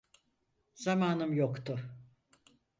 Zamanım yoktu.